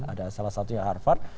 ada salah satunya harvard